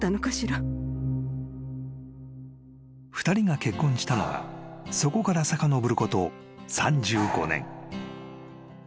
［２人が結婚したのはそこからさかのぼること３５年］